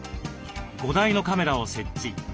５台のカメラを設置。